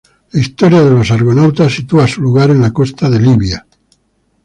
La historia de los argonautas sitúa su hogar en la costa de Libia.